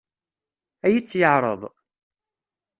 Ad iyi-tt-yeɛṛeḍ?